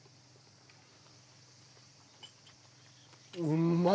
うまっ。